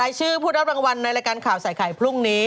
ชื่อผู้รับรางวัลในรายการข่าวใส่ไข่พรุ่งนี้